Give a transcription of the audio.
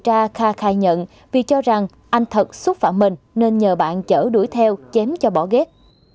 điều tra kha khai nhận vì cho rằng anh thật xúc phạm mình nên nhờ bạn chở đuổi theo chém cho bỏ ghét